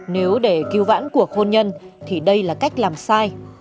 nếu để cứu vãn cuộc hôn nhân thì đây là cách làm sai